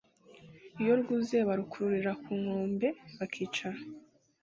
iyo rwuzuye barukururira ku nkombe bakicara